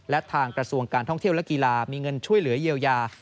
และทางกระทรวงการท่องเที่ยวและกีฬามีเงินช่วยเหลือเยียวยา